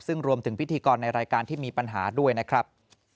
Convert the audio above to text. ซึ่งรวมถึงพิธีกรในรายการที่มีปัญหาด้วยนะครับ